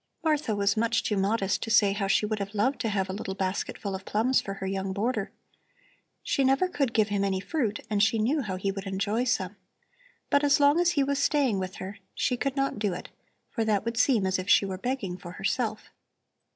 Martha was much too modest to say how she would have loved to have a little basket full of plums for her young boarder. She never could give him any fruit and she knew how he would enjoy some. But as long as he was staying with her she could not do it, for that would seem as if she were begging for herself.